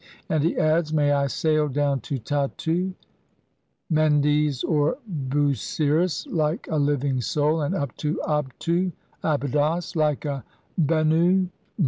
And he adds, "May I sail down to Tattu (Mendes or Busiris) like "a living soul and up to Abtu (Abydos) like a Beimu 1.